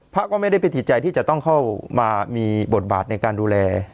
พระก็ไม่ได้เป็นจิตใจที่จะต้องเข้ามามีบทบาทในการดูแล